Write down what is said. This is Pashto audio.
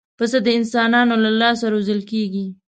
پسه د انسانانو له لاسه روزل کېږي.